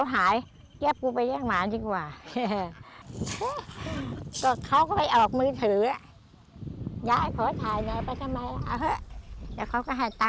แต่เขาก็ให้ตัง๒๐๐บาทหมัง๑๐๐บาท